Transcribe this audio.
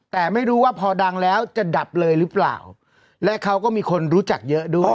แต่ไม่รู้ว่าพอดังแล้วจะดับเลยหรือเปล่าและเขาก็มีคนรู้จักเยอะด้วย